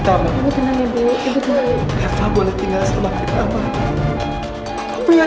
sebelum ibu terus ke istilah luar biasa